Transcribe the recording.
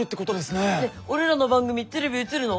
ねっ俺らの番組テレビ映るの？